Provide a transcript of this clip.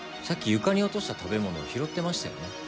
さっき床に落とした食べ物を拾ってましたよね？